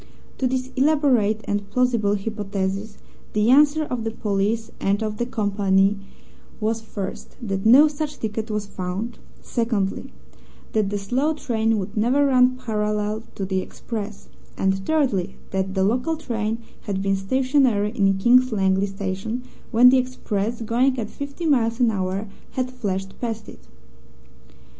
To this elaborate and plausible hypothesis the answer of the police and of the company was, first, that no such ticket was found; secondly, that the slow train would never run parallel to the express; and, thirdly, that the local train had been stationary in King's Langley Station when the express, going at fifty miles an hour, had flashed past it.